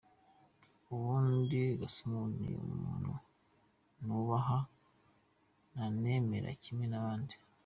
Ubundi Gasumuni ni umuntu nubaha nanemera kimwe n’abandi.